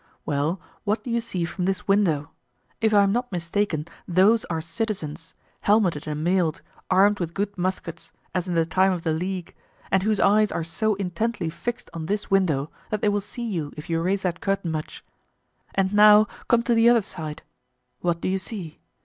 "Well, what do you see from this window? If I am not mistaken those are citizens, helmeted and mailed, armed with good muskets, as in the time of the League, and whose eyes are so intently fixed on this window that they will see you if you raise that curtain much; and now come to the other side—what do you see?